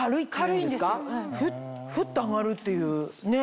フッフッと上がるっていうねっ。